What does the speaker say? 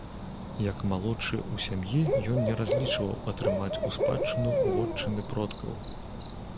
Як малодшы ў сям'і ён не разлічваў атрымаць у спадчыну вотчыны продкаў.